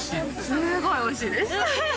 すごいおいしいです。